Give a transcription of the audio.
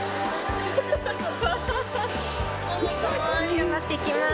頑張ってきます。